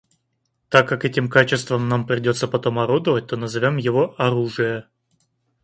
Так как этим качеством нам придется потом орудовать, то назовем его оружие.